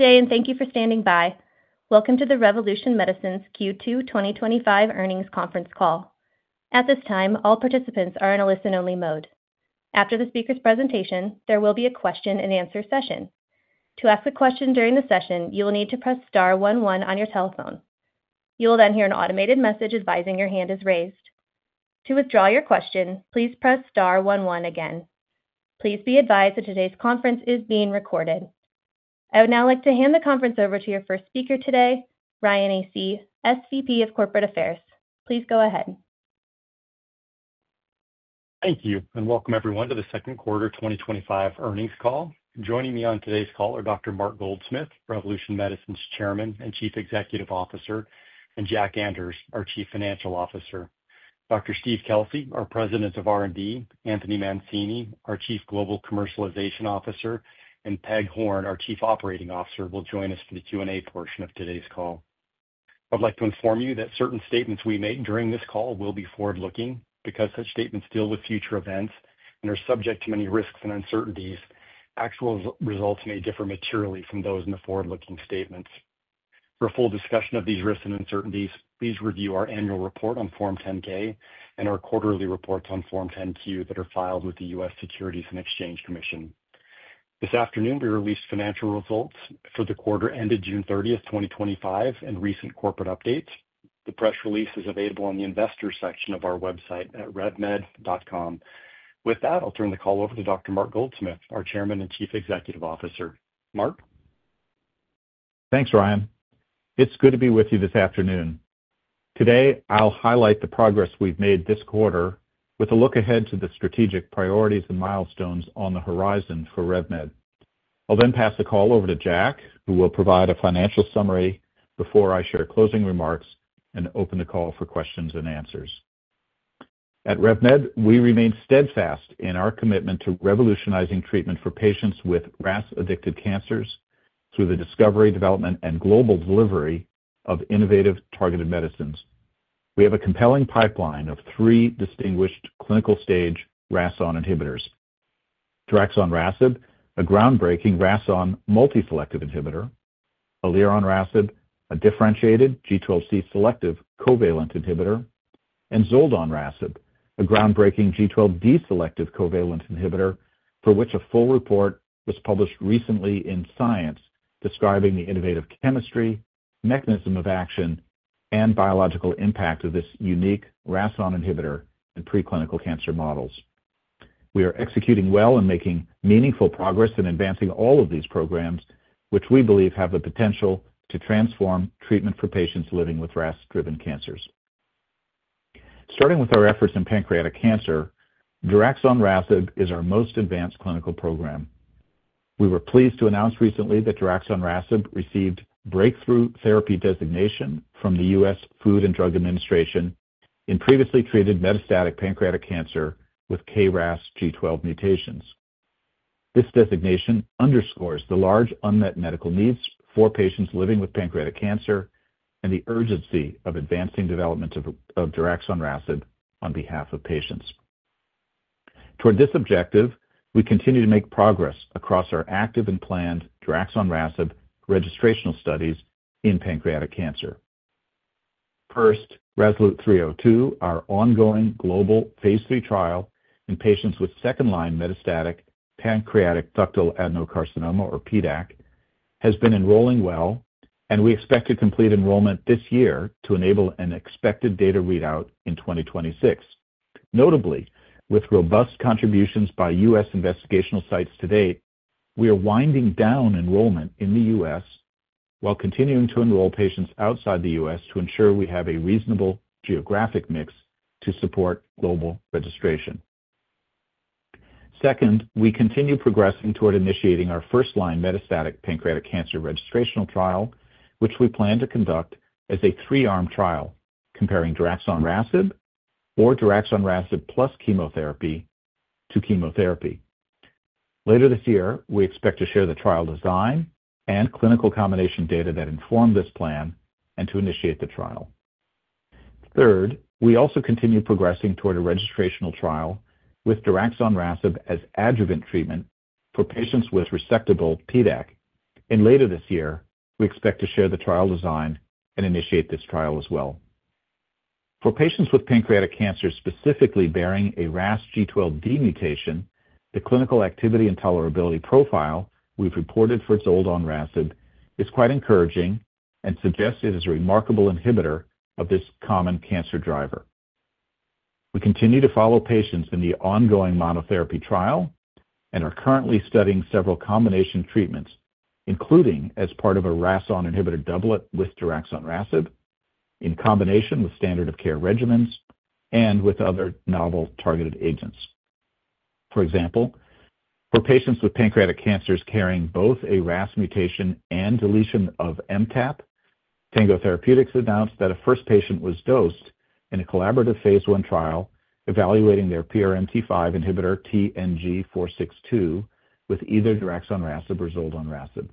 Thank you for standing by. Welcome to the Revolution Medicines Q2 2025 Earnings Conference Call. At this time, all participants are in a listen-only mode. After the speaker's presentation, there will be a question and answer session. To ask a question during the session, you will need to press star one one on your telephone. You will then hear an automated message advising your hand is raised. To withdraw your question, please press star one one again. Please be advised that today's conference is being recorded. I would now like to hand the conference over to your first speaker today, Ryan Asay, SVP of Corporate Affairs. Please go ahead. Thank you, and welcome everyone to the second quarter 2025 earnings call. Joining me on today's call are Dr. Mark Goldsmith, Revolution Medicines' Chairman and Chief Executive Officer, and Jack Anders, our Chief Financial Officer. Dr. Steve Kelsey, our President of R&D, Anthony Mancini, our Chief Global Commercialization Officer, and Peg Horn, our Chief Operating Officer, will join us for the Q&A portion of today's call. I would like to inform you that certain statements we make during this call will be forward-looking because such statements deal with future events and are subject to many risks and uncertainties. Actual results may differ materially from those in the forward-looking statements. For a full discussion of these risks and uncertainties, please review our annual report on Form 10-K and our quarterly reports on Form 10-Q that are filed with the U.S. Securities and Exchange Commission. This afternoon, we released financial results for the quarter ended June 30, 2025, and recent corporate updates. The press release is available on the investors section of our website at revmed.com. With that, I'll turn the call over to Dr. Mark Goldsmith, our Chairman and Chief Executive Officer. Mark. Thanks, Ryan. It's good to be with you this afternoon. Today, I'll highlight the progress we've made this quarter with a look ahead to the strategic priorities and milestones on the horizon for RevMed. I'll then pass the call over to Jack, who will provide a financial summary before I share closing remarks and open the call for questions and answers. At RevMed, we remain steadfast in our commitment to revolutionizing treatment for patients with RAS-addicted cancers through the discovery, development, and global delivery of innovative targeted medicines. We have a compelling pipeline of three distinguished clinical stage RAS(ON) inhibitors: daraxonrasib, a groundbreaking RAS(ON) multi-selective inhibitor; elironrasib, a differentiated G12C-selective covalent inhibitor; and zoldonrasib, a groundbreaking G12D-selective covalent inhibitor, for which a full report was published recently in Science describing the innovative chemistry, mechanism of action, and biological impact of this unique RAS(ON) inhibitor in preclinical cancer models. We are executing well and making meaningful progress in advancing all of these programs, which we believe have the potential to transform treatment for patients living with RAS-driven cancers. Starting with our efforts in pancreatic cancer, daraxonrasib is our most advanced clinical program. We were pleased to announce recently that daraxonrasib received breakthrough therapy designation from the U.S. Food and Drug Administration in previously treated metastatic pancreatic cancer with KRAS G12 mutations. This designation underscores the large unmet medical needs for patients living with pancreatic cancer and the urgency of advancing development of daraxonrasib on behalf of patients. Toward this objective, we continue to make progress across our active and planned daraxonrasib registrational studies in pancreatic cancer. First, RASolute 302, our ongoing global phase III trial in patients with second-line metastatic pancreatic ductal adenocarcinoma, or PDAC, has been enrolling well, and we expect to complete enrollment this year to enable an expected data readout in 2026. Notably, with robust contributions by U.S. investigational sites to date, we are winding down enrollment in the U.S. while continuing to enroll patients outside the U.S. to ensure we have a reasonable geographic mix to support global registration. Second, we continue progressing toward initiating our first-line metastatic pancreatic cancer registrational trial, which we plan to conduct as a three-arm trial comparing daraxonrasib or daraxonrasib plus chemotherapy to chemotherapy. Later this year, we expect to share the trial design and clinical combination data that inform this plan and to initiate the trial. Third, we also continue progressing toward a registrational trial with daraxonrasib as adjuvant treatment for patients with resectable PDAC. Later this year, we expect to share the trial design and initiate this trial as well. For patients with pancreatic cancer specifically bearing a KRAS G12D mutation, the clinical activity and tolerability profile we've reported for zoldonrasib is quite encouraging and suggest it as a remarkable inhibitor of this common cancer driver. We continue to follow patients in the ongoing monotherapy trial and are currently studying several combination treatments, including as part of a RAS(ON) inhibitor doublet with daraxonrasib in combination with standard of care regimens and with other novel targeted agents. For example, for patients with pancreatic cancers carrying both a RAS mutation and deletion of MTAP, Tango Therapeutics announced that a first patient was dosed in a collaborative phase I trial evaluating their PRMT5 inhibitor TNG462 with either daraxonrasib or zoldonrasib.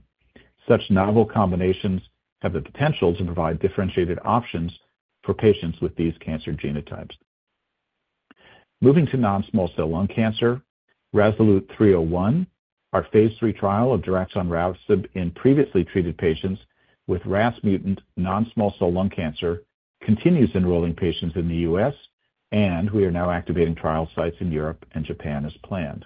Such novel combinations have the potential to provide differentiated options for patients with these cancer genotypes. Moving to non-small cell lung cancer, RASolute 301, our phase III trial of daraxonrasib in previously treated patients with RAS-mutant non-small cell lung cancer, continues enrolling patients in the U.S., and we are now activating trial sites in Europe and Japan as planned.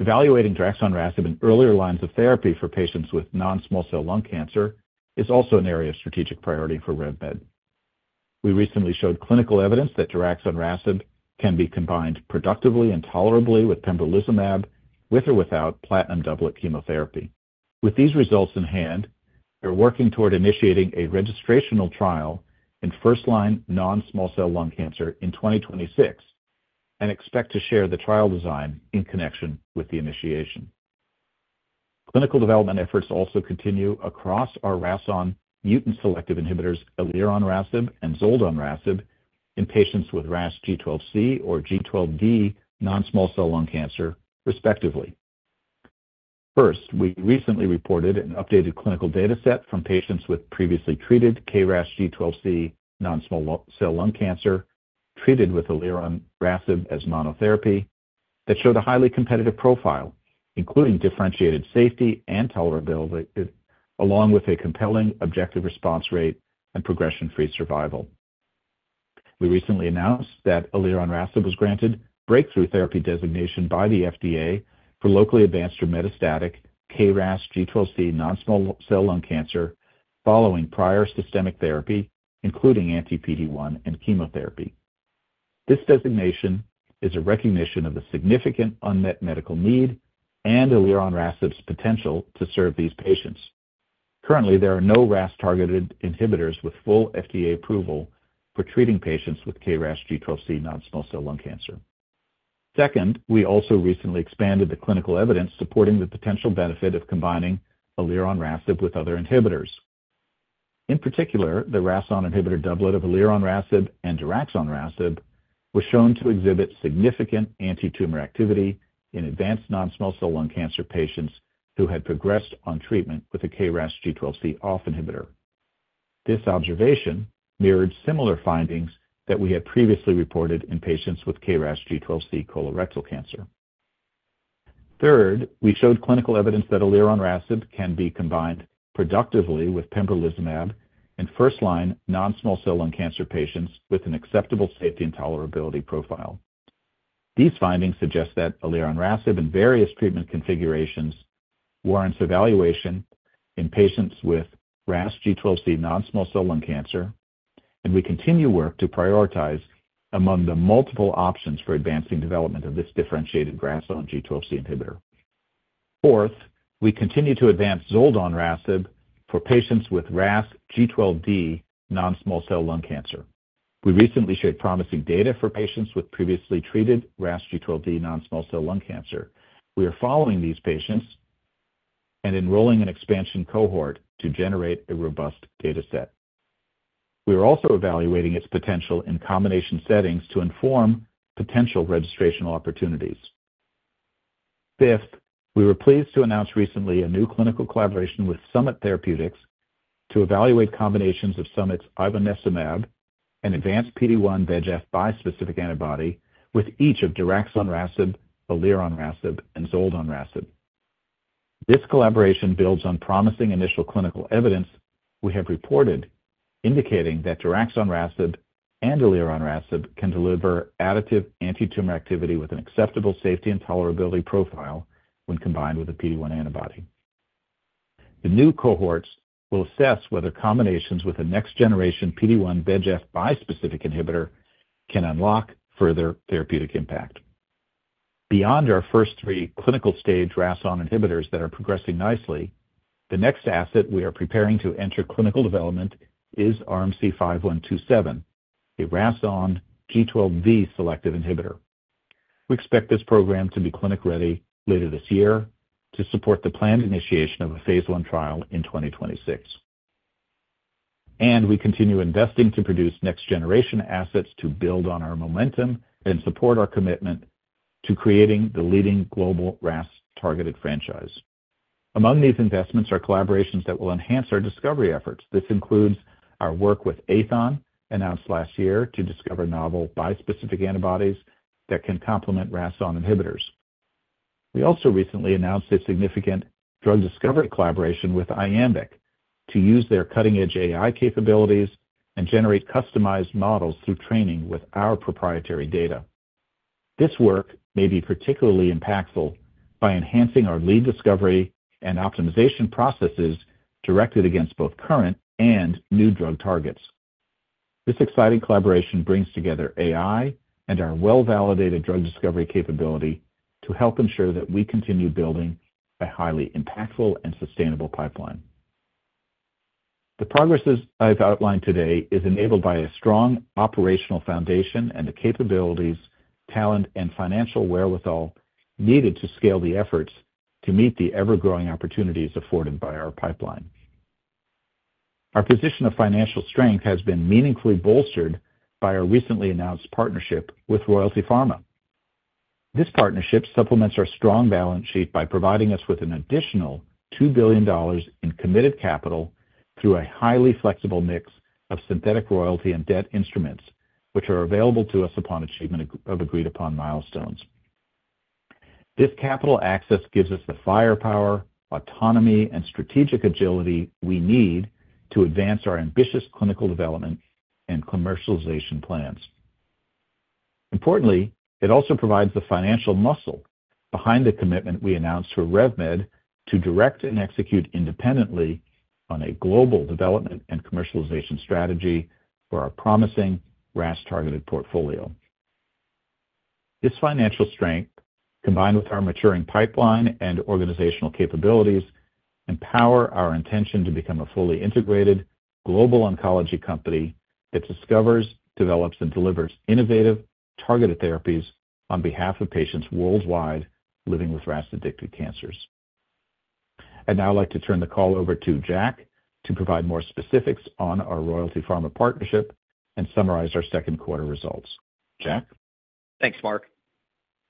Evaluating daraxonrasib in earlier lines of therapy for patients with non-small cell lung cancer is also an area of strategic priority for Revolution Medicines. We recently showed clinical evidence that daraxonrasib can be combined productively and tolerably with pembrolizumab with or without platinum doublet chemotherapy. With these results in hand, we're working toward initiating a registrational trial in first-line non-small cell lung cancer in 2026 and expect to share the trial design in connection with the initiation. Clinical development efforts also continue across our RAS(ON) mutant selective inhibitors elironrasib and zoldonrasib in patients with KRAS G12C or G12D non-small cell lung cancer, respectively. First, we recently reported an updated clinical data set from patients with previously treated KRAS G12C non-small cell lung cancer treated with elironrasib as monotherapy that showed a highly competitive profile, including differentiated safety and tolerability, along with a compelling objective response rate and progression-free survival. We recently announced that elironrasib was granted breakthrough therapy designation by the FDA for locally advanced or metastatic KRAS G12C non-small cell lung cancer following prior systemic therapy, including anti-PD-1 and chemotherapy. This designation is a recognition of the significant unmet medical need and elironrasib's potential to serve these patients. Currently, there are no RAS-targeted inhibitors with full FDA approval for treating patients with KRAS G12C non-small cell lung cancer. Second, we also recently expanded the clinical evidence supporting the potential benefit of combining elironrasib with other inhibitors. In particular, the RAS(ON) inhibitor doublet of elironrasib and daraxonrasib was shown to exhibit significant anti-tumor activity in advanced non-small cell lung cancer patients who had progressed on treatment with a KRAS G12C off inhibitor. This observation mirrored similar findings that we had previously reported in patients with KRAS G12C colorectal cancer. Third, we showed clinical evidence that elironrasib can be combined productively with pembrolizumab in first-line non-small cell lung cancer patients with an acceptable safety and tolerability profile. These findings suggest that elironrasib in various treatment configurations warrants evaluation in patients with RAS G12C non-small cell lung cancer, and we continue work to prioritize among the multiple options for advancing development of this differentiated RAS(ON) G12C inhibitor. Fourth, we continue to advance zoldonrasib for patients with RAS G12D non-small cell lung cancer. We recently shared promising data for patients with previously treated RAS G12D non-small cell lung cancer. We are following these patients and enrolling an expansion cohort to generate a robust data set. We are also evaluating its potential in combination settings to inform potential registrational opportunities. Fifth, we were pleased to announce recently a new clinical collaboration with Summit Therapeutics to evaluate combinations of Summit's ivonescimab, an advanced PD-1/VEGF bispecific antibody, with each of daraxonrasib, elironrasib, and zoldonrasib. This collaboration builds on promising initial clinical evidence we have reported indicating that daraxonrasib and elironrasib can deliver additive anti-tumor activity with an acceptable safety and tolerability profile when combined with a PD-1 antibody. The new cohorts will assess whether combinations with a next-generation PD-1/VEGF bispecific antibody can unlock further therapeutic impact. Beyond our first three clinical stage RAS(ON) inhibitors that are progressing nicely, the next asset we are preparing to enter clinical development is RMC-5127, a RAS(ON) G12V selective inhibitor. We expect this program to be clinic-ready later this year to support the planned initiation of a phase I trial in 2026. We continue investing to produce next-generation assets to build on our momentum and support our commitment to creating the leading global RAS-targeted franchise. Among these investments are collaborations that will enhance our discovery efforts. This includes our work with Aethon, announced last year, to discover novel bispecific antibodies that can complement RAS(ON) inhibitors. We also recently announced a significant drug discovery collaboration with Iambic to use their cutting-edge AI capabilities and generate customized models through training with our proprietary data. This work may be particularly impactful by enhancing our lead discovery and optimization processes directed against both current and new drug targets. This exciting collaboration brings together AI and our well-validated drug discovery capability to help ensure that we continue building a highly impactful and sustainable pipeline. The progress I've outlined today is enabled by a strong operational foundation and the capabilities, talent, and financial wherewithal needed to scale the efforts to meet the ever-growing opportunities afforded by our pipeline. Our position of financial strength has been meaningfully bolstered by our recently announced partnership with Royalty Pharma. This partnership supplements our strong balance sheet by providing us with an additional $2 billion in committed capital through a highly flexible mix of synthetic royalty and debt instruments, which are available to us upon achievement of agreed-upon milestones. This capital access gives us the firepower, autonomy, and strategic agility we need to advance our ambitious clinical development and commercialization plans. Importantly, it also provides the financial muscle behind the commitment we announced through RevMed to direct and execute independently on a global development and commercialization strategy for our promising RAS-targeted portfolio. This financial strength, combined with our maturing pipeline and organizational capabilities, empower our intention to become a fully integrated global oncology company that discovers, develops, and delivers innovative targeted therapies on behalf of patients worldwide living with RAS-addicted cancers. I would like to turn the call over to Jack to provide more specifics on our Royalty Pharma partnership and summarize our second quarter results. Jack? Thanks, Mark.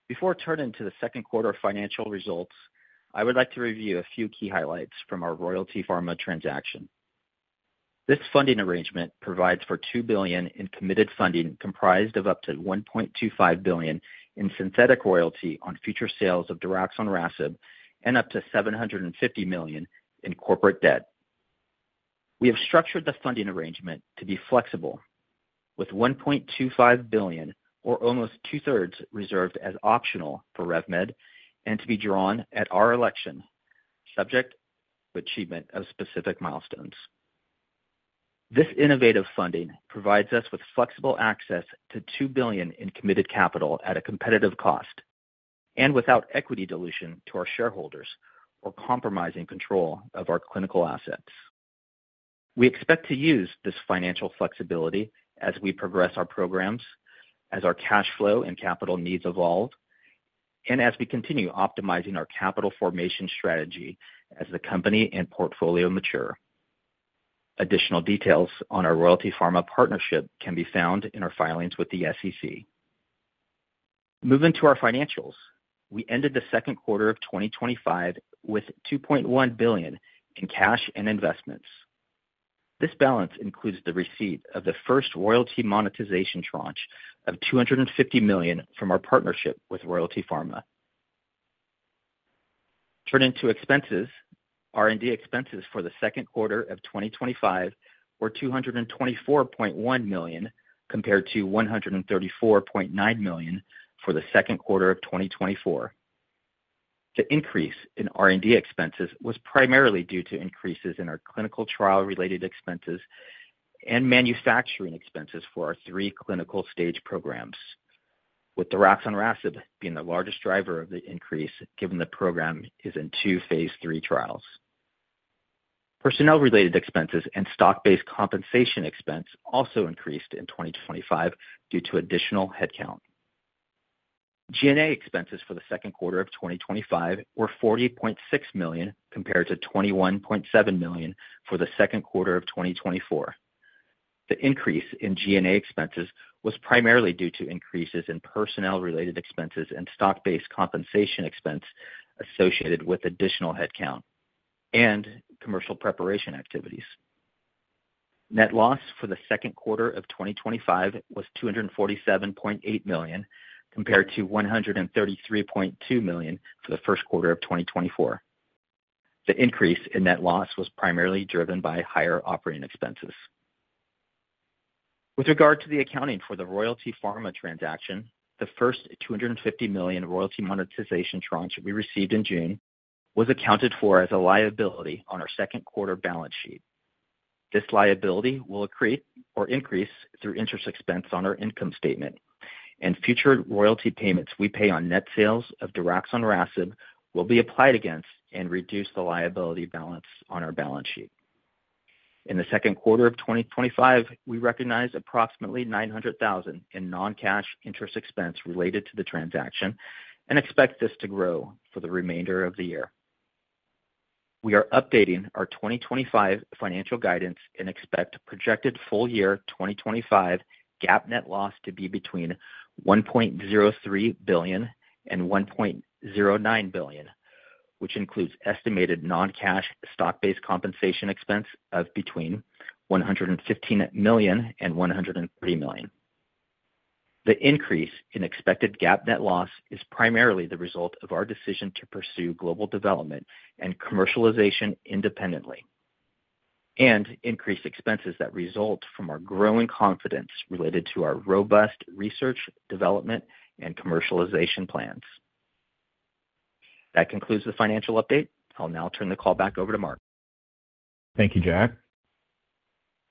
Before turning to the second quarter financial results, I would like to review a few key highlights from our Royalty Pharma transaction. This funding arrangement provides for $2 billion in committed funding comprised of up to $1.25 billion in synthetic royalty on future sales of daraxonrasib and up to $750 million in corporate debt. We have structured the funding arrangement to be flexible, with $1.25 billion, or almost two-thirds, reserved as optional for RevMed and to be drawn at our election subject to achievement of specific milestones. This innovative funding provides us with flexible access to $2 billion in committed capital at a competitive cost and without equity dilution to our shareholders or compromising control of our clinical assets. We expect to use this financial flexibility as we progress our programs, as our cash flow and capital needs evolve, and as we continue optimizing our capital formation strategy as the company and portfolio mature. Additional details on our Royalty Pharma partnership can be found in our filings with the SEC. Moving to our financials, we ended the second quarter of 2025 with $2.1 billion in cash and investments. This balance includes the receipt of the first royalty monetization tranche of $250 million from our partnership with Royalty Pharma. Turning to expenses, R&D expenses for the second quarter of 2025 were $224.1 million compared to $134.9 million for the second quarter of 2024. The increase in R&D expenses was primarily due to increases in our clinical trial-related expenses and manufacturing expenses for our three clinical stage programs, with daraxonrasib being the largest driver of the increase given the program is in two phase III trials. Personnel-related expenses and stock-based compensation expense also increased in 2025 due to additional headcount. G&A expenses for the second quarter of 2025 were $40.6 million compared to $21.7 million for the second quarter of 2024. The increase in G&A expenses was primarily due to increases in personnel-related expenses and stock-based compensation expense associated with additional headcount and commercial preparation activities. Net loss for the second quarter of 2025 was $247.8 million compared to $133.2 million for the first quarter of 2024. The increase in net loss was primarily driven by higher operating expenses. With regard to the accounting for the Royalty Pharma transaction, the first $250 million royalty monetization tranche we received in June was accounted for as a liability on our second quarter balance sheet. This liability will increase through interest expense on our income statement, and future royalty payments we pay on net sales of daraxonrasib will be applied against and reduce the liability balance on our balance sheet. In the second quarter of 2025, we recognize approximately $900,000 in non-cash interest expense related to the transaction and expect this to grow for the remainder of the year. We are updating our 2025 financial guidance and expect projected full-year 2025 GAAP net loss to be between $1.03 billion and $1.09 billion, which includes estimated non-cash stock-based compensation expense of between $115 million and $130 million. The increase in expected GAAP net loss is primarily the result of our decision to pursue global development and commercialization independently and increase expenses that result from our growing confidence related to our robust research, development, and commercialization plans. That concludes the financial update. I'll now turn the call back over to Mark. Thank you, Jack.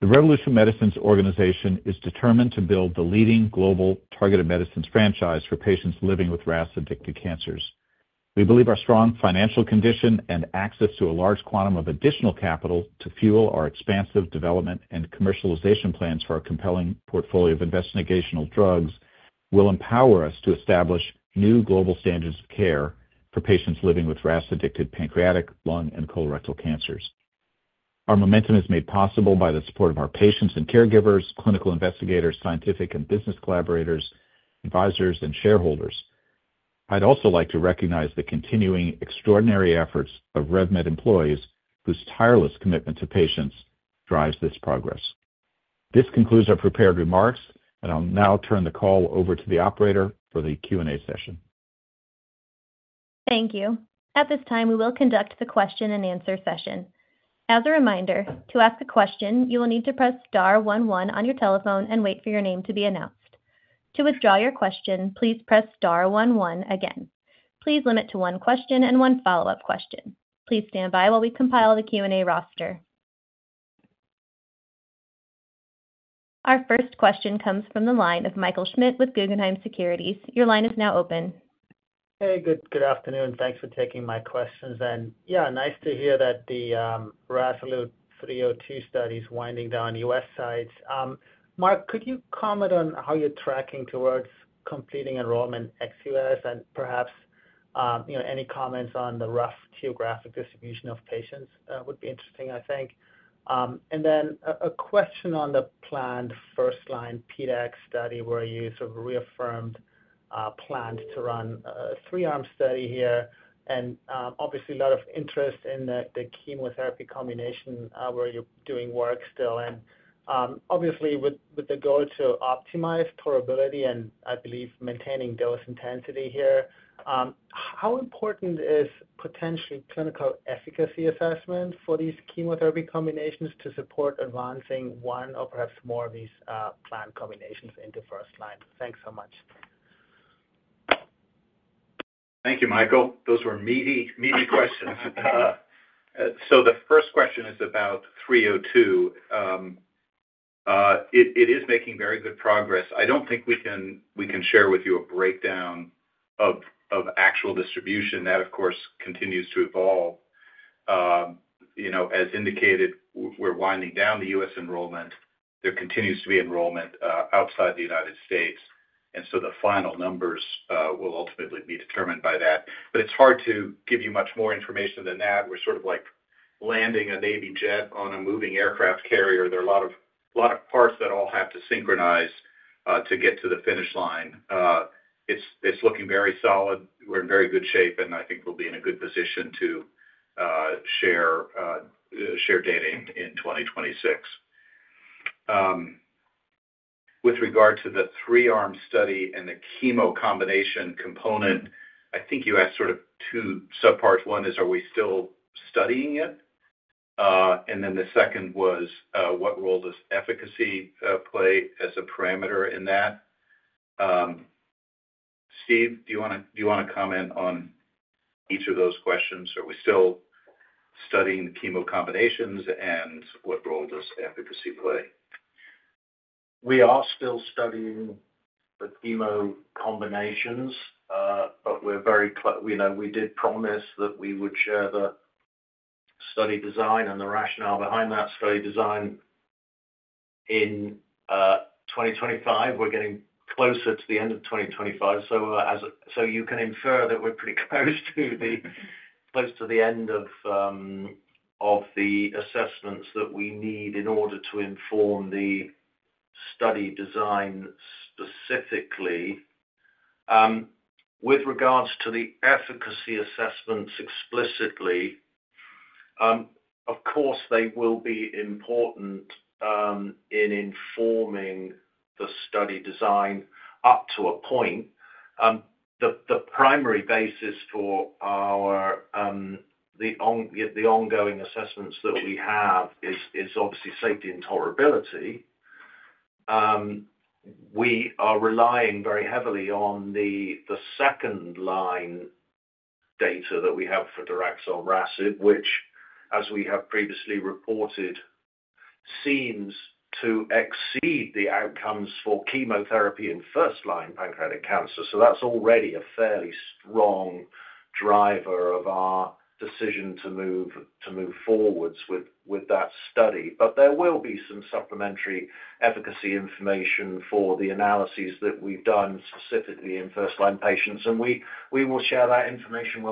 The Revolution Medicines organization is determined to build the leading global targeted medicines franchise for patients living with RAS-addicted cancers. We believe our strong financial condition and access to a large quantum of additional capital to fuel our expansive development and commercialization plans for our compelling portfolio of investigational drugs will empower us to establish new global standards of care for patients living with RAS-addicted pancreatic, lung, and colorectal cancers. Our momentum is made possible by the support of our patients and caregivers, clinical investigators, scientific and business collaborators, advisors, and shareholders. I'd also like to recognize the continuing extraordinary efforts of RevMed employees whose tireless commitment to patients drives this progress. This concludes our prepared remarks, and I'll now turn the call over to the operator for the Q&A session. Thank you. At this time, we will conduct the question and answer session. As a reminder, to ask a question, you will need to press star one one on your telephone and wait for your name to be announced. To withdraw your question, please press star one one again. Please limit to one question and one follow-up question. Please stand by while we compile the Q&A roster. Our first question comes from the line of Michael Schmidt with Guggenheim. Your line is now open. Hey, good afternoon. Thanks for taking my questions. Nice to hear that the RASolute 302 study is winding down U.S. sites. Mark, could you comment on how you're tracking towards completing enrollment ex-U.S. and perhaps any comments on the rough geographic distribution of patients would be interesting, I think. A question on the planned first-line PDAC study where you sort of reaffirmed plans to run a three-arm study here. Obviously, a lot of interest in the chemotherapy combination where you're doing work still. With the goal to optimize tolerability and, I believe, maintaining dose intensity here, how important is potentially clinical efficacy assessment for these chemotherapy combinations to support advancing one or perhaps more of these planned combinations into first-line? Thanks so much. Thank you, Michael. Those were meaty questions. The first question is about 302. It is making very good progress. I don't think we can share with you a breakdown of actual distribution. That, of course, continues to evolve. As indicated, we're winding down the U.S. enrollment. There continues to be enrollment outside the United States, and the final numbers will ultimately be determined by that. It's hard to give you much more information than that. We're sort of like landing a Navy jet on a moving aircraft carrier. There are a lot of parts that all have to synchronize to get to the finish line. It's looking very solid. We're in very good shape, and I think we'll be in a good position to share data in 2026. With regard to the three-arm study and the chemo combination component, I think you asked sort of two subparts. One is, are we still studying it? The second was, what role does efficacy play as a parameter in that? Steve, do you want to comment on each of those questions? Are we still studying the chemo combinations, and what role does efficacy play? We are still studying the chemo combinations, but we're very, you know, we did promise that we would share the study design and the rationale behind that study design in 2025. We're getting closer to the end of 2025. You can infer that we're pretty close to the end of the assessments that we need in order to inform the study design specifically. With regards to the efficacy assessments explicitly, of course, they will be important in informing the study design up to a point. The primary basis for the ongoing assessments that we have is obviously safety and tolerability. We are relying very heavily on the second-line data that we have for daraxonrasib, which, as we have previously reported, seems to exceed the outcomes for chemotherapy in first-line pancreatic cancer. That's already a fairly strong driver of our decision to move forward with that study. There will be some supplementary efficacy information for the analyses that we've done specifically in first-line patients, and we will share that information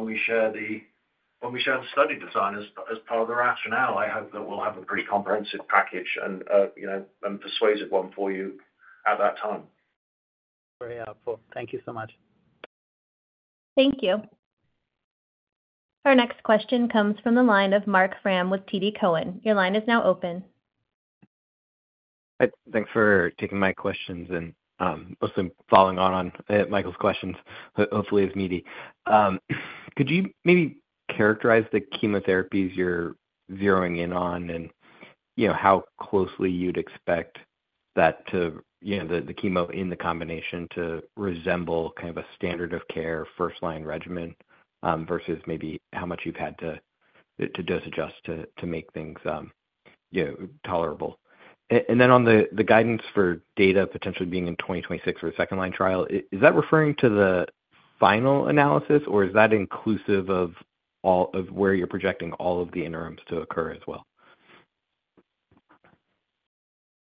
when we share the study design as part of the rationale. I hope that we'll have a pretty comprehensive package and a persuasive one for you at that time. Very helpful. Thank you so much. Thank you. Our next question comes from the line of Marc Frahm with TD Cowen. Your line is now open. Thanks for taking my questions and also following on Michael's questions. Hopefully, it's meaty. Could you maybe characterize the chemotherapies you're zeroing in on and how closely you'd expect that to, you know, the chemo in the combination to resemble kind of a standard of care first-line regimen versus maybe how much you've had to dose adjust to make things tolerable? On the guidance for data potentially being in 2026 for the second-line trial, is that referring to the final analysis, or is that inclusive of all of where you're projecting all of the interims to occur as well?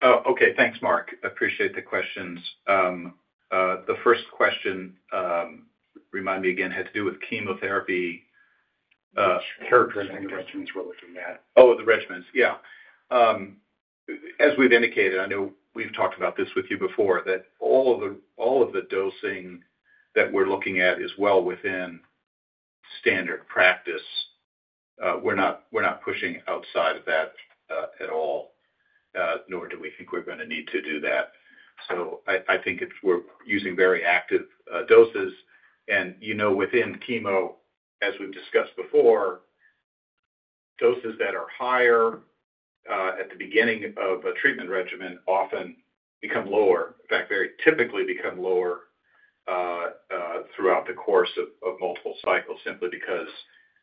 Oh, okay. Thanks, Marc. I appreciate the questions. The first question, remind me again, had to do with chemotherapy. Sure. The regimens we're looking at. The regimens, yeah. As we've indicated, I know we've talked about this with you before, that all of the dosing that we're looking at is well within standard practice. We're not pushing outside of that at all, nor do we think we're going to need to do that. I think we're using very active doses. You know, within chemo, as we've discussed before, doses that are higher at the beginning of a treatment regimen often become lower. In fact, very typically become lower throughout the course of multiple cycles simply because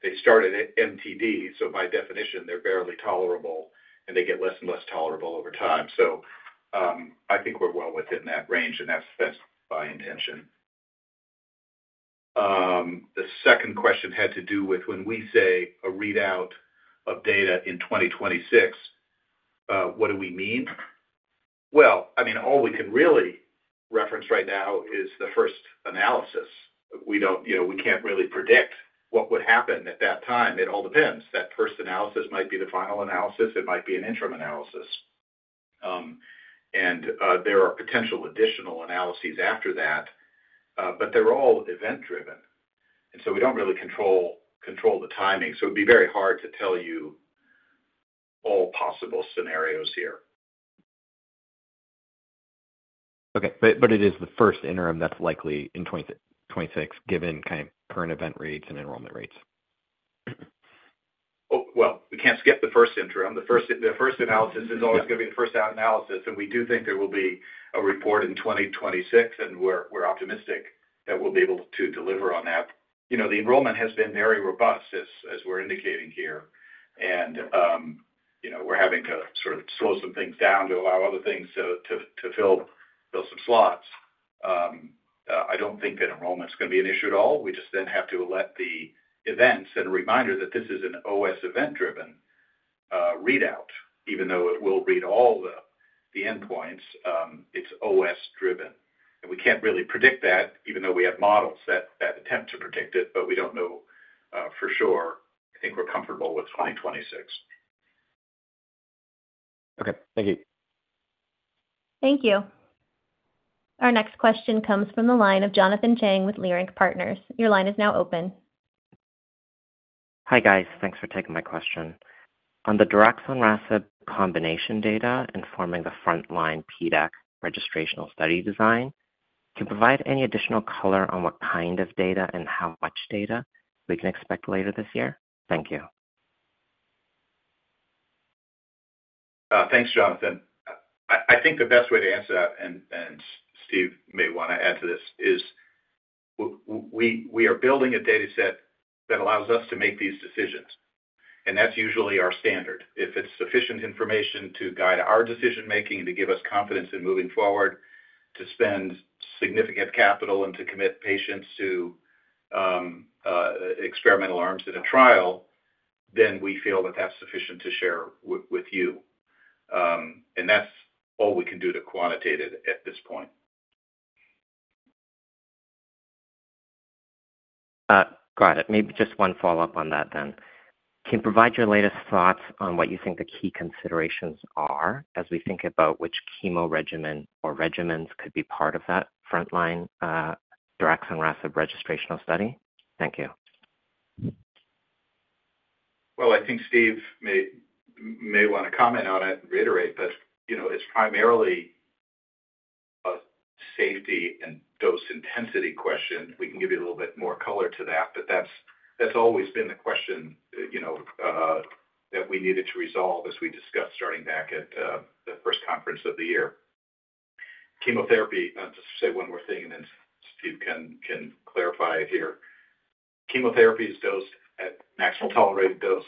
they started at MTD. By definition, they're barely tolerable, and they get less and less tolerable over time. I think we're well within that range, and that's by intention. The second question had to do with when we say a readout of data in 2026, what do we mean? All we can really reference right now is the first analysis. We can't really predict what would happen at that time. It all depends. That first analysis might be the final analysis. It might be an interim analysis. There are potential additional analyses after that, but they're all event-driven, and we don't really control the timing. It would be very hard to tell you all possible scenarios here. It is the first interim that's likely in 2026, given kind of current event rates and enrollment rates. We can't skip the first interim. The first analysis is always going to be the first out analysis. We do think there will be a report in 2026, and we're optimistic that we'll be able to deliver on that. The enrollment has been very robust, as we're indicating here. We're having to sort of slow some things down to allow other things to fill some slots. I don't think that enrollment is going to be an issue at all. We just then have to let the events and a reminder that this is an OS event-driven readout. Even though it will read all the endpoints, it's OS-driven. We can't really predict that, even though we have models that attempt to predict it, but we don't know for sure. I think we're comfortable with 2026. Okay. Thank you. Thank you. Our next question comes from the line of Jonathan Chang with Leerink Partners. Your line is now open. Hi, guys. Thanks for taking my question. On the daraxonrasib combination data informing the front-line PDAC registrational study design, can you provide any additional color on what kind of data and how much data we can expect later this year? Thank you. Thanks, Jonathan. I think the best way to answer that, and Steve may want to add to this, is we are building a data set that allows us to make these decisions. That's usually our standard. If it's sufficient information to guide our decision-making, to give us confidence in moving forward, to spend significant capital, and to commit patients to experimental arms in a trial, we feel that that's sufficient to share with you. That's all we can do to quantitate it at this point. Got it. Maybe just one follow-up on that then. Can you provide your latest thoughts on what you think the key considerations are as we think about which chemo regimen or regimens could be part of that front-line daraxonrasib registrational study? Thank you. I think Steve may want to comment on it and reiterate, but you know it's primarily a safety and dose intensity question. We can give you a little bit more color to that, but that's always been the question that we needed to resolve as we discussed starting back at the first conference of the year. Chemotherapy, I'll just say one more thing, and then Steve can clarify it here. Chemotherapy is dosed at maximum tolerated dose.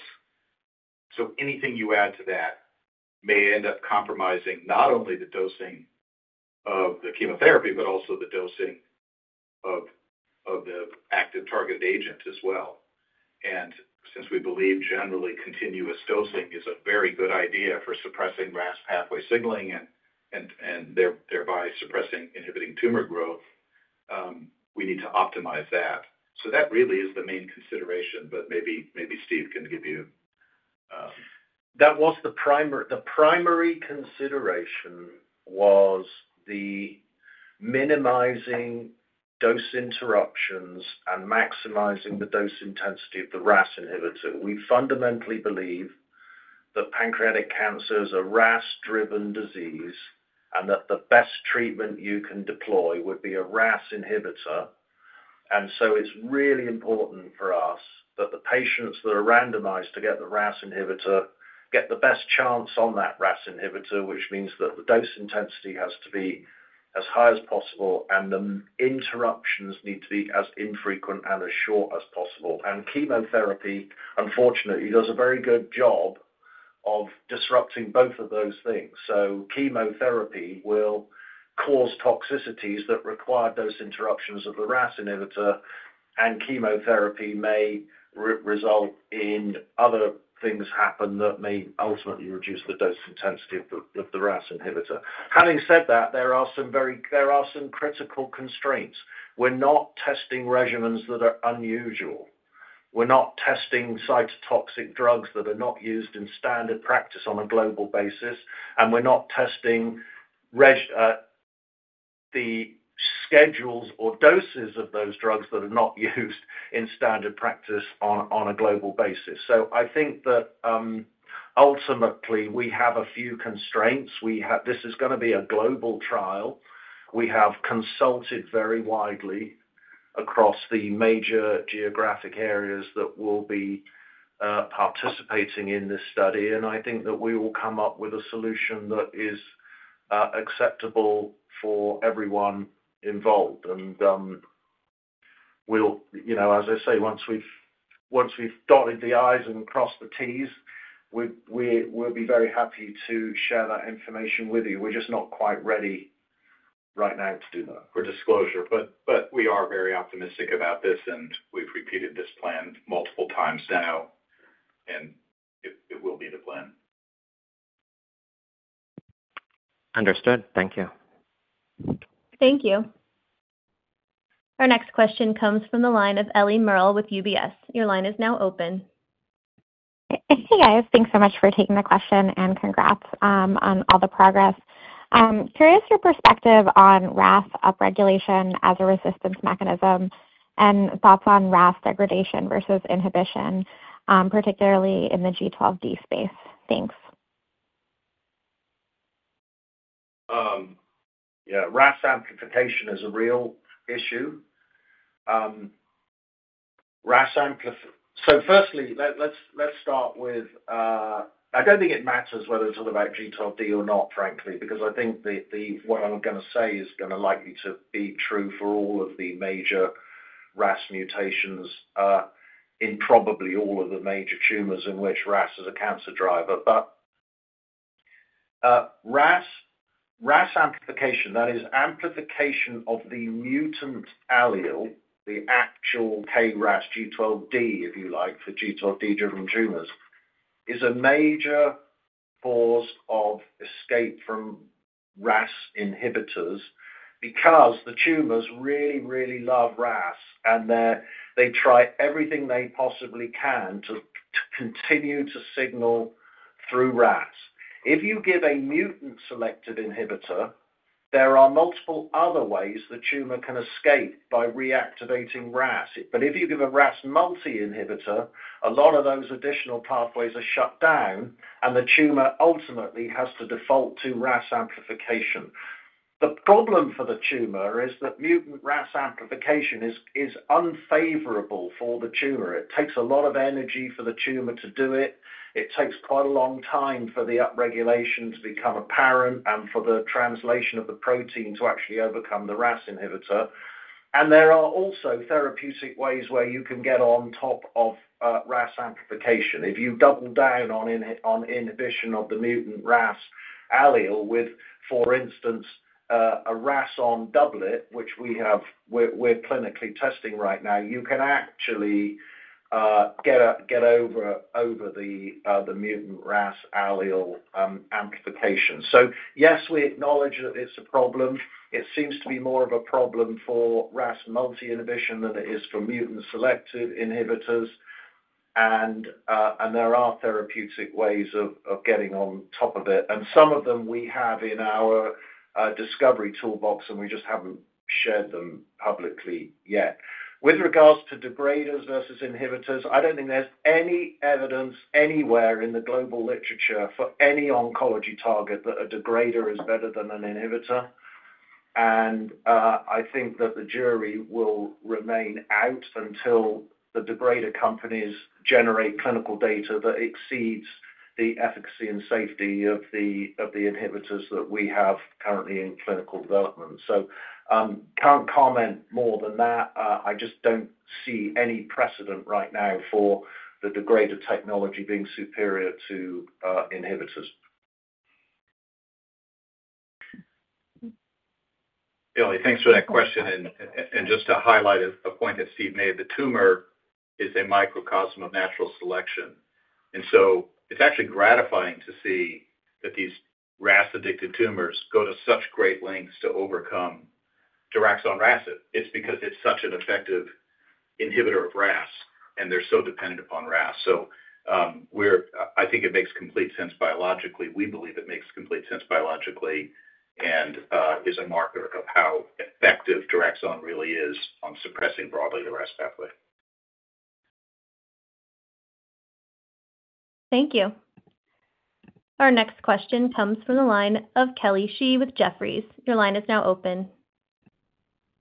Anything you add to that may end up compromising not only the dosing of the chemotherapy, but also the dosing of the active target agent as well. Since we believe generally continuous dosing is a very good idea for suppressing RAS pathway signaling and thereby suppressing inhibiting tumor growth, we need to optimize that. That really is the main consideration, but maybe Steve can give you. That was the primary consideration, minimizing dose interruptions and maximizing the dose intensity of the RAS inhibitor. We fundamentally believe that pancreatic cancer is a RAS-driven disease and that the best treatment you can deploy would be a RAS inhibitor. It's really important for us that the patients randomized to get the RAS inhibitor get the best chance on that RAS inhibitor, which means that the dose intensity has to be as high as possible and the interruptions need to be as infrequent and as short as possible. Chemotherapy, unfortunately, does a very good job of disrupting both of those things. Chemotherapy will cause toxicities that require dose interruptions of the RAS inhibitor, and chemotherapy may result in other things that may ultimately reduce the dose intensity of the RAS inhibitor. There are some critical constraints. We're not testing regimens that are unusual. We're not testing cytotoxic drugs that are not used in standard practice on a global basis. We're not testing the schedules or doses of those drugs that are not used in standard practice on a global basis. Ultimately, we have a few constraints. This is going to be a global trial. We have consulted very widely across the major geographic areas that will be participating in this study. I think that we will come up with a solution that is acceptable for everyone involved. Once we've dotted the I's and crossed the T's, we'll be very happy to share that information with you. We're just not quite ready right now to do that. For disclosure, we are very optimistic about this, and we've repeated this plan multiple times now. Understood. Thank you. Thank you. Our next question comes from the line of Ellie Merle with UBS. Your line is now open. Hey, guys. Thanks so much for taking the question and congrats on all the progress. Curious your perspective on RAS upregulation as a resistance mechanism and thoughts on RAS degradation versus inhibition, particularly in the G12D space. Thanks. Yeah. RAS amplification is a real issue. Firstly, let's start with I don't think it matters whether it's on the back G12D or not, frankly, because I think what I'm going to say is going to likely be true for all of the major RAS mutations in probably all of the major tumors in which RAS is a cancer driver. RAS amplification, that is, amplification of the mutant allele, the actual KRAS G12D, if you like, for G12D tumors, is a major cause of escape from RAS inhibitors because the tumors really, really love RAS, and they try everything they possibly can to continue to signal through RAS. If you give a mutant selective inhibitor, there are multiple other ways the tumor can escape by reactivating RAS. If you give a RAS multi-inhibitor, a lot of those additional pathways are shut down, and the tumor ultimately has to default to RAS amplification. The problem for the tumor is that mutant RAS amplification is unfavorable for the tumor. It takes a lot of energy for the tumor to do it. It takes quite a long time for the upregulation to become apparent and for the translation of the protein to actually overcome the RAS inhibitor. There are also therapeutic ways where you can get on top of RAS amplification. If you double down on inhibition of the mutant RAS allele with, for instance, a RAS(ON) doublet, which we're clinically testing right now, you can actually get over the mutant RAS allele amplification. Yes, we acknowledge that it's a problem. It seems to be more of a problem for RAS multi-inhibition than it is for mutant selective inhibitors. There are therapeutic ways of getting on top of it. Some of them we have in our discovery toolbox, and we just haven't shared them publicly yet. With regards to degraders versus inhibitors, I don't think there's any evidence anywhere in the global literature for any oncology target that a degrader is better than an inhibitor. I think that the jury will remain out until the degrader companies generate clinical data that exceeds the efficacy and safety of the inhibitors that we have currently in clinical development. I can't comment more than that. I just don't see any precedent right now for the degrader technology being superior to inhibitors. Ellie, thanks for that question. Just to highlight a point that Steve made, the tumor is a microcosm of natural selection. It is actually gratifying to see that these RAS-addicted tumors go to such great lengths to overcome daraxonrasib. It is because it is such an effective inhibitor of RAS, and they're so dependent upon RAS. I think it makes complete sense biologically. We believe it makes complete sense biologically and is a marker of how effective daraxonrasib really is on suppressing broadly the RAS pathway. Thank you. Our next question comes from the line of Kelly Shi with Jefferies. Your line is now open.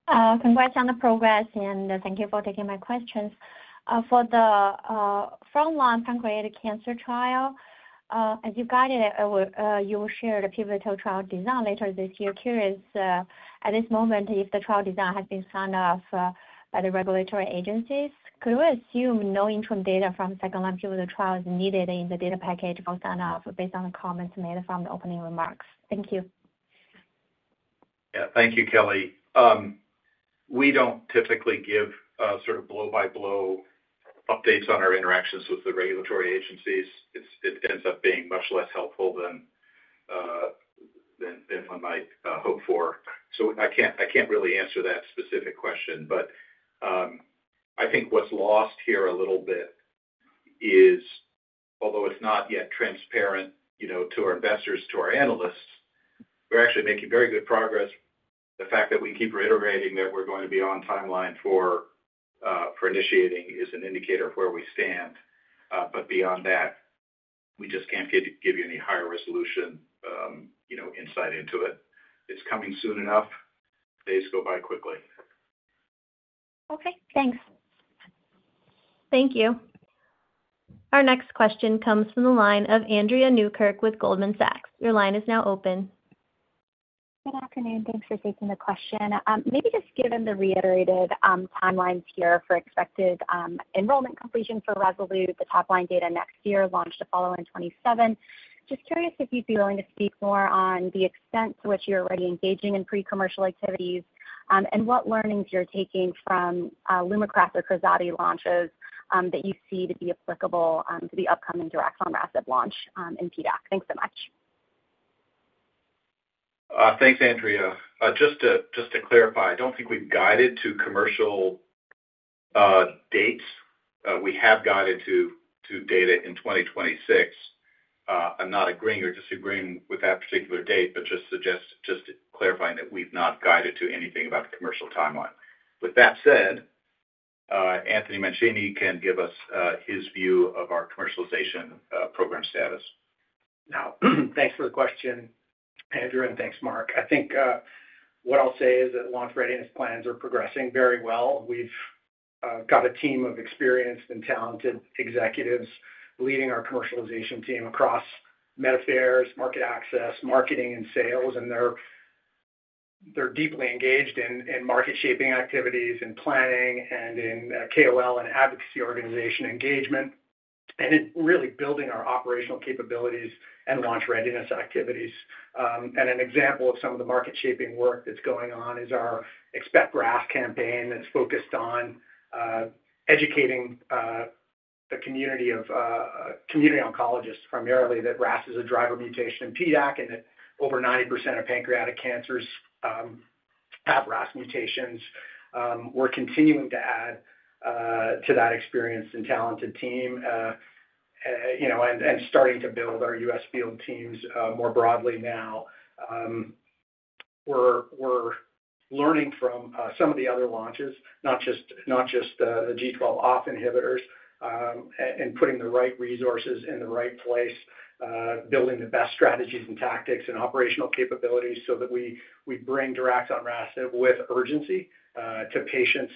Congrats on the progress, and thank you for taking my questions. For the front-line pancreatic cancer trial, as you guided, you will share the pivotal trial design later this year. Curious, at this moment, if the trial design has been signed off by the regulatory agencies, could we assume no interim data from second-line pivotal trials needed in the data package or sign-off based on the comments made from the opening remarks? Thank you. Thank you, Kelly. We don't typically give sort of blow-by-blow updates on our interactions with the regulatory agencies. It ends up being much less helpful than one might hope for. I can't really answer that specific question. I think what's lost here a little bit is, although it's not yet transparent to our investors, to our analysts, we're actually making very good progress. The fact that we keep reiterating that we're going to be on timeline for initiating is an indicator of where we stand. Beyond that, we just can't give you any higher resolution insight into it. It's coming soon enough. Days go by quickly. Okay, thanks. Thank you. Our next question comes from the line of Andrea Newkirk with Goldman Sachs. Your line is now open. Good afternoon. Thanks for taking the question. Maybe just given the reiterated timelines here for expected enrollment completion for Resolute, the top-line data next year, launch to follow in 2027. Just curious if you'd be willing to speak more on the extent to which you're already engaging in pre-commercial activities and what learnings you're taking from Lumakras or Krazati launches that you see to be applicable to the upcoming daraxonrasib launch in PDAC. Thanks so much. Thanks, Andrea. Just to clarify, I don't think we've guided to commercial dates. We have guided to data in 2026. I'm not agreeing or disagreeing with that particular date, but just clarifying that we've not guided to anything about the commercial timeline. With that said, Anthony Mancini can give us his view of our commercialization program status. Thanks for the question, Andrea, and thanks, Mark. I think what I'll say is that launch readiness plans are progressing very well. We've got a team of experienced and talented executives leading our commercialization team across Med Affairs, Market Access, Marketing, and Sales, and they're deeply engaged in market-shaping activities and planning, in KOL and advocacy organization engagement, and in really building our operational capabilities and launch readiness activities. An example of some of the market-shaping work that's going on is our Expect RAS campaign that's focused on educating the community of community oncologists primarily that RAS is a driver mutation in PDAC and that over 90% of pancreatic cancers have RAS mutations. We're continuing to add to that experienced and talented team, and starting to build our U.S. field teams more broadly now. We're learning from some of the other launches, not just the G12 off inhibitors, and putting the right resources in the right place, building the best strategies and tactics and operational capabilities so that we bring daraxonrasib with urgency to patients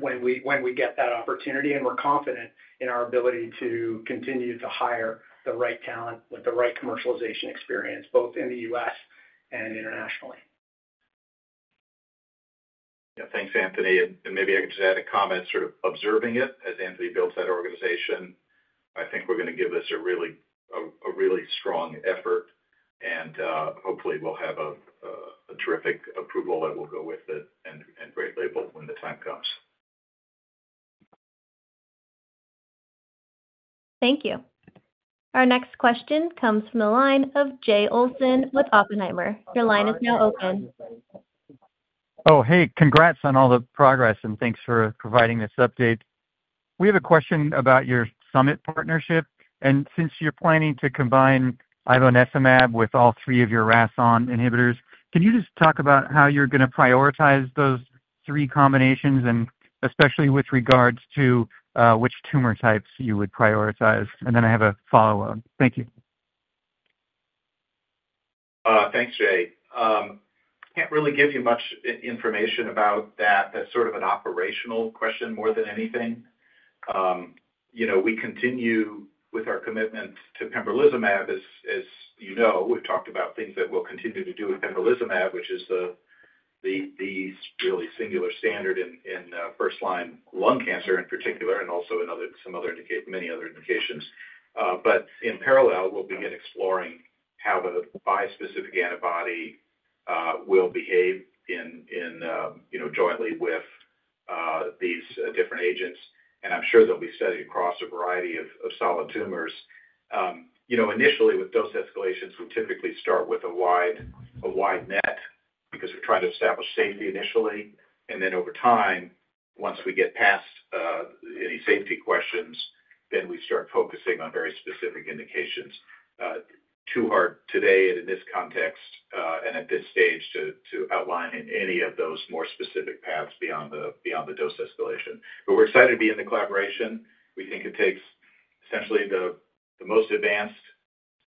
when we get that opportunity. We're confident in our ability to continue to hire the right talent with the right commercialization experience, both in the U.S. and internationally. Yeah. Thanks, Anthony. Maybe I could just add a comment sort of observing it as Anthony builds that organization. I think we're going to give this a really strong effort, and hopefully, we'll have a terrific approval that will go with it. Thank you. Our next question comes from the line of Jay Olson with Oppenheimer. Your line is now open. Oh, hey, congrats on all the progress, and thanks for providing this update. We have a question about your Summit partnership. Since you're planning to combine ivonescimab with all three of your RAS(ON) inhibitors, can you just talk about how you're going to prioritize those three combinations, especially with regards to which tumor types you would prioritize? I have a follow-up. Thank you. Thanks, Jay. I can't really give you much information about that. That's sort of an operational question more than anything. We continue with our commitment to pembrolizumab. As you know, we've talked about things that we'll continue to do with pembrolizumab, which is the really singular standard in first-line lung cancer in particular and also in many other indications. In parallel, we'll begin exploring how the bispecific antibody will behave jointly with these different agents. I'm sure they'll be studied across a variety of solid tumors. Initially, with dose escalations, we typically start with a wide net because we're trying to establish safety initially. Over time, once we get past any safety questions, we start focusing on very specific indications. It's too hard today in this context and at this stage to outline any of those more specific paths beyond the dose escalation. We're excited to be in the collaboration. We think it takes essentially the most advanced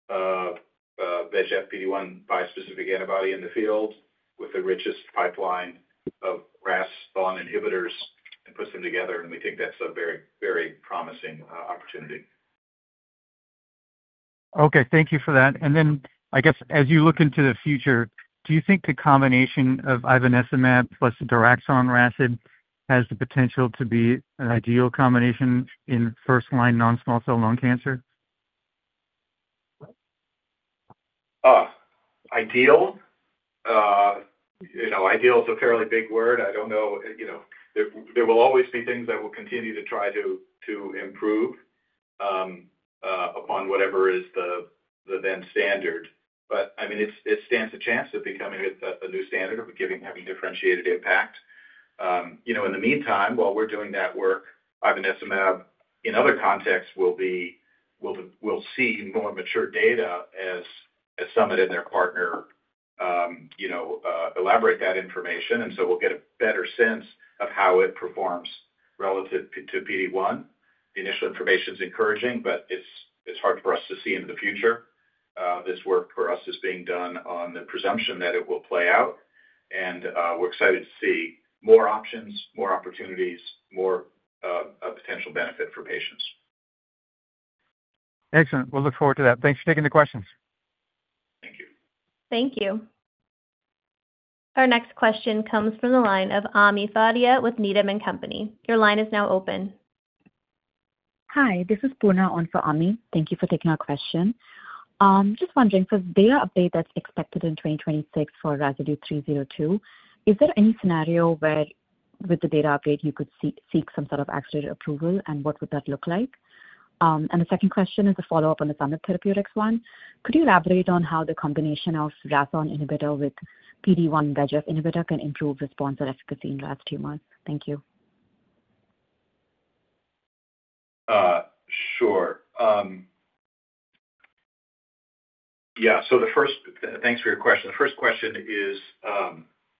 PD-1/VEGF bispecific antibody in the field with the richest pipeline of RAS(ON) inhibitors and puts them together. We think that's a very, very promising opportunity. Okay. Thank you for that. As you look into the future, do you think the combination of ivonescimab plus daraxonrasib has the potential to be an ideal combination in first-line non-small cell lung cancer? Ideal? You know, ideal is a fairly big word. I don't know. There will always be things that we'll continue to try to improve upon whatever is the then standard. I mean, it stands a chance of becoming a new standard of having differentiated impact. In the meantime, while we're doing that work, ivonescimab in other contexts will be—we'll see in more mature data as Summit and their partner elaborate that information. We'll get a better sense of how it performs relative to PD-1. The initial information is encouraging, but it's hard for us to see into the future. This work for us is being done on the presumption that it will play out. We're excited to see more options, more opportunities, more potential benefit for patients. Excellent. We'll look forward to that. Thanks for taking the questions. Thank you. Our next question comes from the line of Ami Fadia with Needham & Company. Your line is now open. Hi. This is Poorna on for Ami. Thank you for taking our question. Just wondering, for the data update that's expected in 2026 for RASolute 302, is there any scenario where with the data update you could seek some sort of accelerated approval, and what would that look like? The second question is a follow-up on the Summit Therapeutics one. Could you elaborate on how the combination of RAS(ON) inhibitor with PD-1/VEGF inhibitor can improve response or efficacy in the last two months? Thank you. Sure. Yeah. Thanks for your question. The first question is,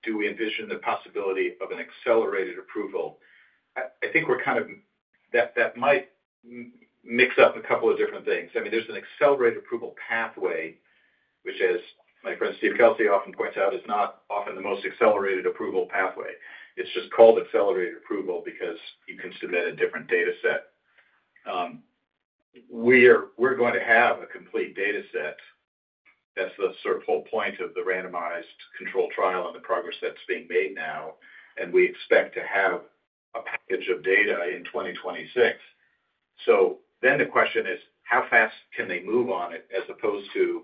do we envision the possibility of an accelerated approval? I think that might mix up a couple of different things. I mean, there's an accelerated approval pathway, which, as my friend Steve Kelsey often points out, is not often the most accelerated approval pathway. It's just called accelerated approval because you can do that in a different data set. We're going to have a complete data set. That's the whole point of the randomized control trial and the progress that's being made now. We expect to have a package of data in 2026. The question is, how fast can they move on it as opposed to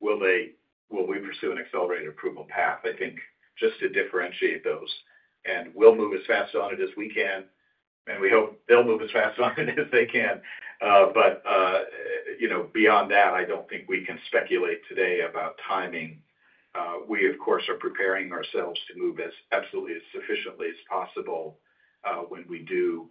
will we pursue an accelerated approval path? I think just to differentiate those. We'll move as fast on it as we can, and we hope they'll move as fast on it as they can. Beyond that, I don't think we can speculate today about timing. We, of course, are preparing ourselves to move this absolutely as efficiently as possible. When we do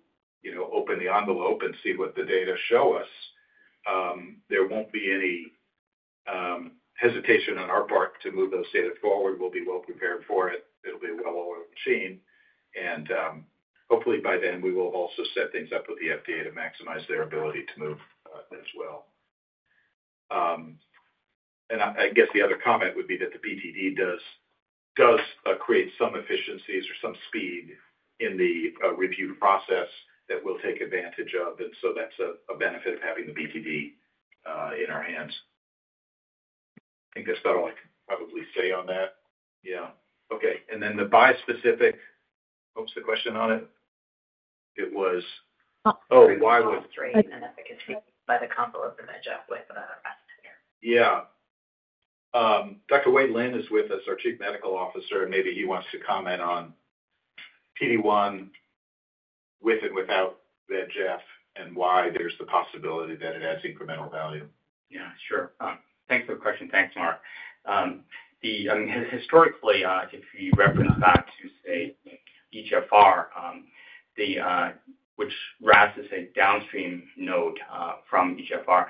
open the envelope and see what the data show us, there won't be any hesitation on our part to move those data forward. We'll be well prepared for it. It'll be a well-oiled machine. Hopefully, by then, we will have also set things up with the FDA to maximize their ability to move as well. I guess the other comment would be that the breakthrough therapy designation does create some efficiencies or some speed in the review process that we'll take advantage of. That's a benefit of having the breakthrough therapy designation in our hands. I think that's about all I can probably say on that. Yeah. Okay. The bispecific, what was the question on it? It was, oh, why was. Training and efficacy by the combo of the VEGF with the RAS inhibitor. Yeah. Dr. Wei Lin is with us, our Chief Medical Officer, and maybe he wants to comment on PD-1 with and without VEGF and why there's the possibility that it adds incremental value. Yeah, sure. Thanks for the question. Thanks, Mark. Historically, if you reference back to, say, EGFR, which RAS is a downstream node from EGFR,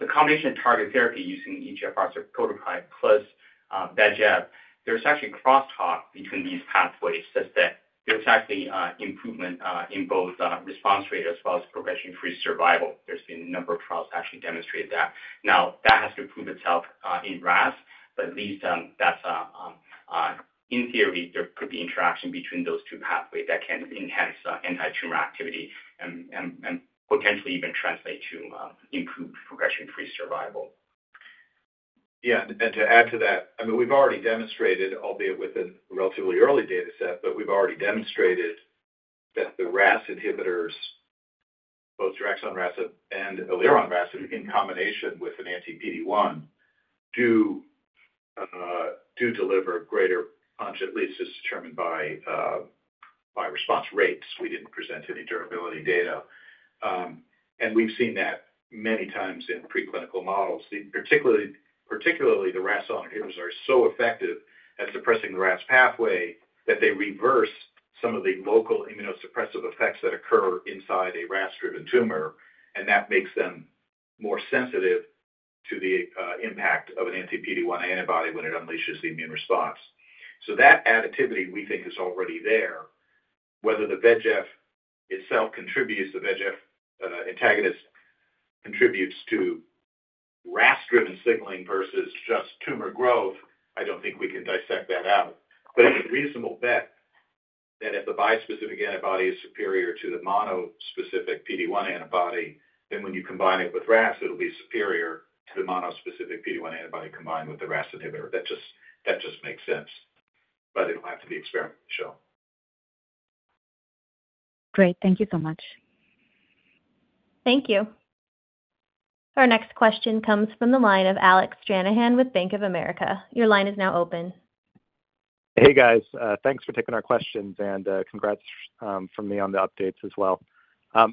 the combination of targeted therapy using EGFR, so prototype plus VEGF, there's actually crosstalk between these pathways, such that there's actually improvement in both response rate as well as progression-free survival. There have been a number of trials that actually demonstrated that. Now, that has to prove itself in RAS, but at least that's in theory. There could be interaction between those two pathways that can enhance anti-tumor activity and potentially even translate to improved progression-free survival. Yeah. To add to that, we've already demonstrated, albeit with a relatively early data set, that the RAS inhibitors, both daraxonrasib and elironrasib, in combination with an anti-PD-1, do deliver greater punch, at least as determined by response rates. We didn't present any durability data. We've seen that many times in preclinical models. Particularly, the RAS(ON) inhibitors are so effective at suppressing the RAS pathway that they reverse some of the local immunosuppressive effects that occur inside a RAS-driven tumor. That makes them more sensitive to the impact of an anti-PD-1 antibody when it unleashes the immune response. That additivity, we think, is already there. Whether the VEGF itself contributes, the VEGF antagonist contributes to RAS-driven signaling versus just tumor growth, I don't think we can dissect that out. It's a reasonable bet that if the bispecific antibody is superior to the monospecific PD-1 antibody, then when you combine it with RAS, it'll be superior to the monospecific PD-1 antibody combined with the RAS inhibitor. That just makes sense. It'll have to be experimental to show. Great. Thank you so much. Thank you. Our next question comes from the line of Alec Stranahan with Bank of America. Your line is now open. Hey, guys. Thanks for taking our questions and congrats from me on the updates as well.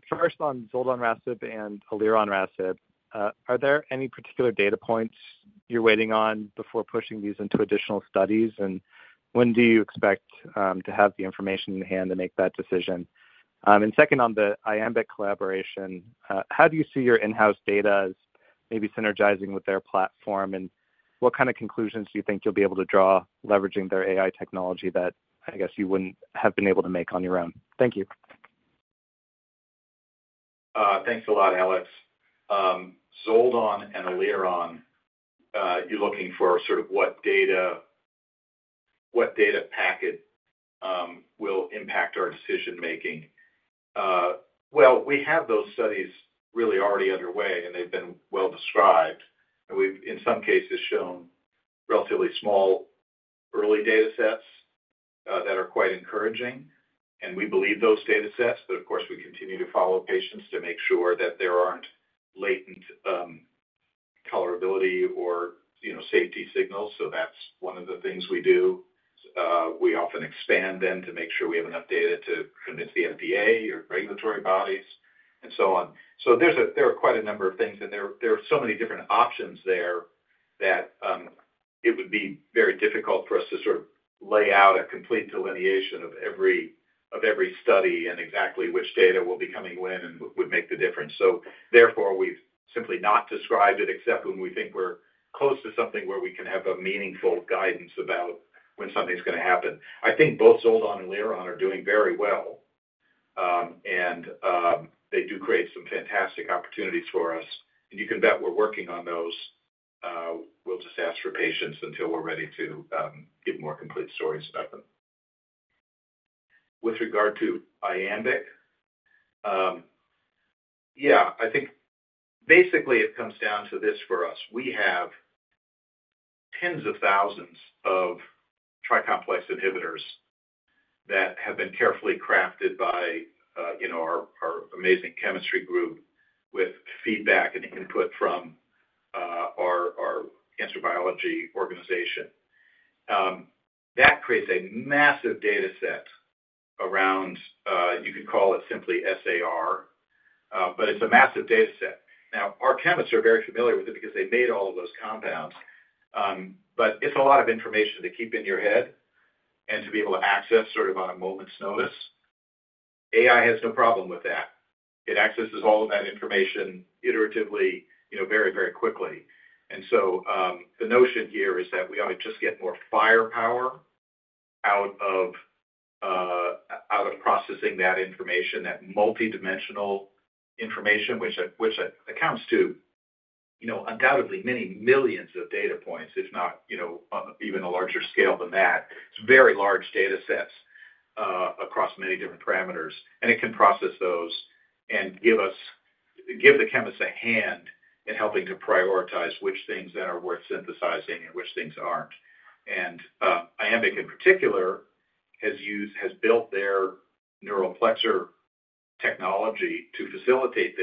First, on zoldonrasib and elironrasib, are there any particular data points you're waiting on before pushing these into additional studies? When do you expect to have the information in hand to make that decision? Second, on the Iambic collaboration, how do you see your in-house data maybe synergizing with their platform? What kind of conclusions do you think you'll be able to draw leveraging their AI technology that, I guess, you wouldn't have been able to make on your own? Thank you. Thanks a lot, Alex. zoldonrasib and elironrasib, you're looking for sort of what data packet will impact our decision-making. We have those studies really already underway, and they've been well described. In some cases, we've shown relatively small early data sets that are quite encouraging. We believe those data sets, but of course, we continue to follow patients to make sure that there aren't latent tolerability or safety signals. That's one of the things we do. We often expand then to make sure we have enough data to permit the FDA or regulatory bodies and so on. There are quite a number of things, and there are so many different options there that it would be very difficult for us to sort of lay out a complete delineation of every study and exactly which data will be coming when and would make the difference. Therefore, we've simply not described it except when we think we're close to something where we can have meaningful guidance about when something's going to happen. I think both zoldonrasib and elironrasib are doing very well, and they do create some fantastic opportunities for us. You can bet we're working on those. We'll just ask for patience until we're ready to give more complete stories about them. With regard to Iambic, I think basically it comes down to this for us. We have tens of thousands of tri-complex inhibitors that have been carefully crafted by our amazing chemistry group with feedback and input from our cancer biology organization. That creates a massive data set around, you could call it simply SAR, but it's a massive data set. Our chemists are very familiar with it because they made all of those compounds. It's a lot of information to keep in your head and to be able to access sort of on a moment's notice. AI has no problem with that. It accesses all of that information iteratively, very, very quickly. The notion here is that we ought to just get more firepower out of processing that information, that multidimensional information, which accounts to undoubtedly many millions of data points, if not even a larger scale than that. It's very large data sets across many different parameters. It can process those and give us, give the chemists a hand in helping to prioritize which things that are worth synthesizing and which things aren't. Iambic, in particular, has built their neural plexor technology to facilitate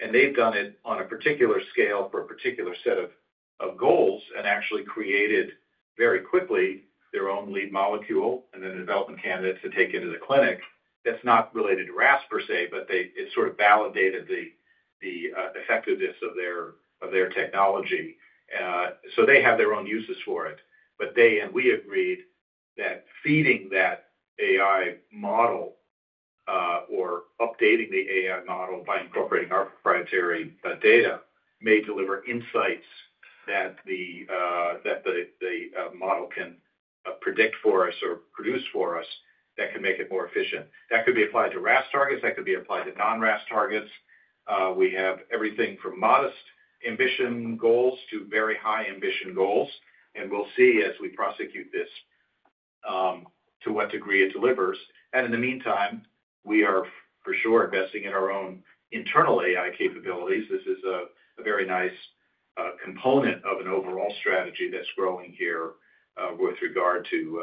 this. They've done it on a particular scale for a particular set of goals and actually created very quickly their own lead molecule and then developing candidates to take into the clinic. That's not related to RAS per se, but it sort of validated the effectiveness of their technology. They have their own uses for it. They and we agreed that feeding that AI model or updating the AI model by incorporating our proprietary data may deliver insights that the model can predict for us or produce for us that can make it more efficient. That could be applied to RAS targets. That could be applied to non-RAS targets. We have everything from modest ambition goals to very high ambition goals. We'll see as we prosecute this to what degree it delivers. In the meantime, we are for sure investing in our own internal AI capabilities. This is a very nice component of an overall strategy that's growing here with regard to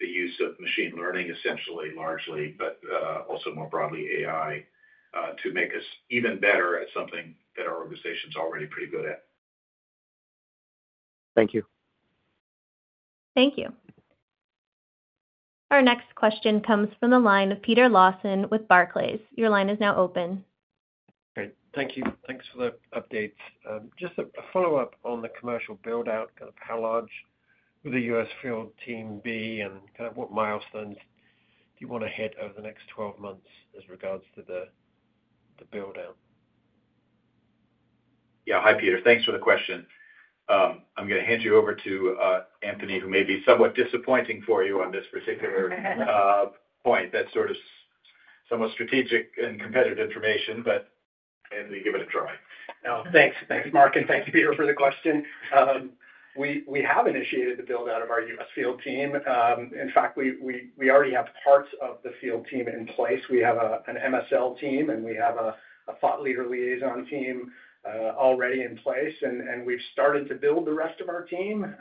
the use of machine learning, essentially, largely, but also more broadly, AI to make us even better at something that our organization's already pretty good at. Thank you. Thank you. Our next question comes from the line of Peter Lawson with Barclays. Your line is now open. Great. Thank you. Thanks for the updates. Just a follow-up on the commercial build-out, kind of how large would the U.S. field team be, and kind of what milestones do you want to hit over the next 12 months as regards to the build-out? Yeah. Hi, Peter. Thanks for the question. I'm going to hand you over to Anthony, who may be somewhat disappointing for you on this particular point. That's sort of somewhat strategic and competitive information, but Anthony, give it a try. Thanks, Mark, and thank you, Peter, for the question. We have initiated the build-out of our U.S. field team. In fact, we already have parts of the field team in place. We have an MSL team, and we have a thought leader liaison team already in place. We've started to build the rest of our team,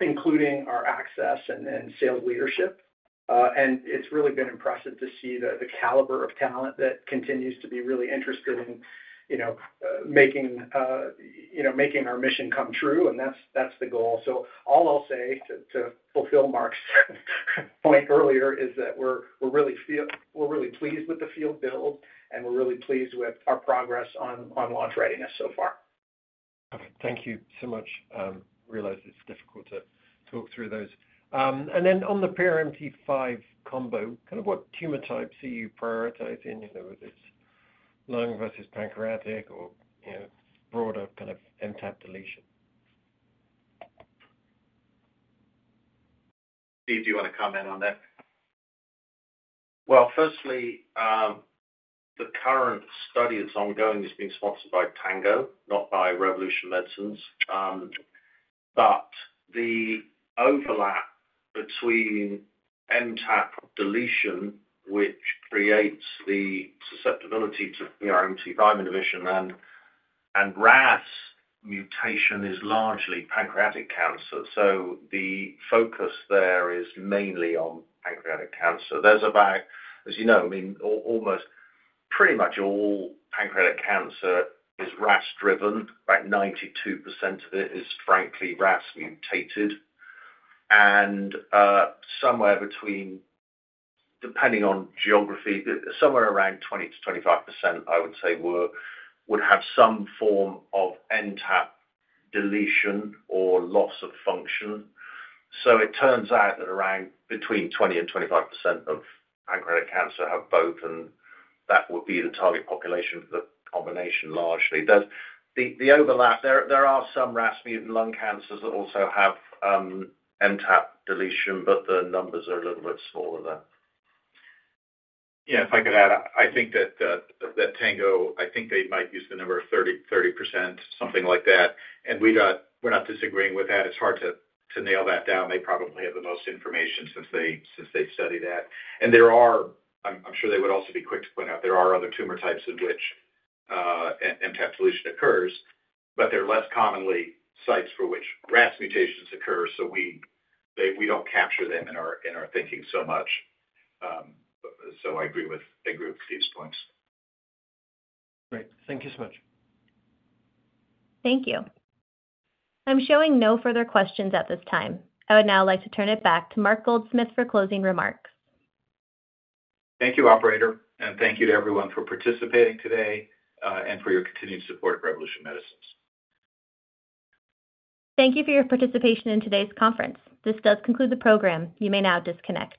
including our access and sales leadership. It's really been impressive to see the caliber of talent that continues to be really interested in making our mission come true. That's the goal. All I'll say to fulfill Mark's point earlier is that we're really pleased with the field build, and we're really pleased with our progress on launch readiness so far. Okay. Thank you so much. I realize it's difficult to talk through those. On the PRMT5 combo, what tumor types are you prioritizing? Is it lung versus pancreatic or broader kind of MTAP deletion? Firstly, the current study that's ongoing is being sponsored by Tango, not by Revolution Medicines. The overlap between MTAP deletion, which creates the susceptibility to PRMT5 inhibition, and RAS mutation is largely pancreatic cancer. The focus there is mainly on pancreatic cancer. There's about, as you know, I mean, almost pretty much all pancreatic cancer is RAS-driven. About 92% of it is, frankly, RAS mutated. Somewhere between, depending on geography, somewhere around 20%-25%, I would say, would have some form of MTAP deletion or loss of function. It turns out that around between 20% and 25% of pancreatic cancer have both, and that would be the target population for the combination largely. The overlap, there are some RAS-mutant lung cancers that also have MTAP deletion, but the numbers are a little bit smaller there. Yeah. If I could add, I think that Tango, I think they might use the number of 30%, something like that. We're not disagreeing with that. It's hard to nail that down. They probably have the most information since they study that. I'm sure they would also be quick to point out there are other tumor types in which MTAP deletion occurs, but they're less commonly sites for which RAS mutations occur. We don't capture them in our thinking so much. I agree with Steve's points. Great. Thank you so much. Thank you. I'm showing no further questions at this time. I would now like to turn it back to Dr. Mark Goldsmith for closing remarks. Thank you, operator. Thank you to everyone for participating today and for your continued support of Revolution Medicines. Thank you for your participation in today's conference. This does conclude the program. You may now disconnect.